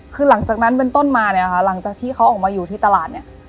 คือหลังจากนั้นเป็นต้นมาเนี่ยค่ะหลังจากที่เขาออกมาอยู่ที่ตลาดเนี่ย